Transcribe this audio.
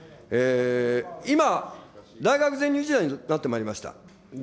今、大学全入時代になってまいりました。